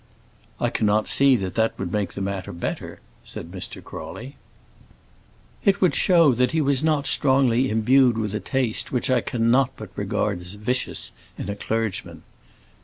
"I cannot see that that would make the matter better," said Mr. Crawley. "It would show that he was not strongly imbued with a taste which I cannot but regard as vicious in a clergyman."